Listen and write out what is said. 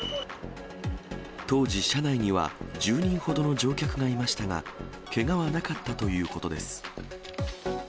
当時、車内には１０人ほどの乗客がいましたが、けがはなかったということです。